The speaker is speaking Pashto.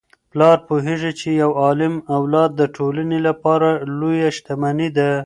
پلار پوهیږي چي یو عالم اولاد د ټولنې لپاره لویه شتمني ده.